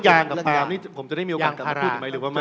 ต้องน่าจะพูดกันหรือไม่